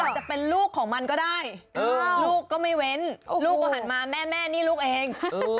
จะเป็นลูกของมันก็ได้ลูกก็ไม่เว้นลูกก็หันมาแม่แม่นี่ลูกเอง